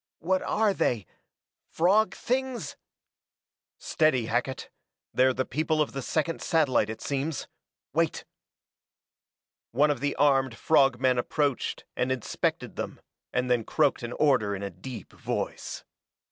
"What are they frog things? " "Steady, Hackett. They're the people of the second satellite, it seems; wait!" One of the armed frog men approached and inspected them, and then croaked an order in a deep voice.